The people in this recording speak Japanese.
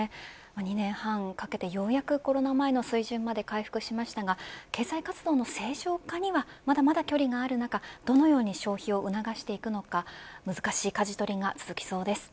２年半かけてようやくコロナ前の水準まで回復しましたが経済活動の正常化にはまだまだ距離がある中どのように消費を促していくのか難しいかじ取りが続きそうです。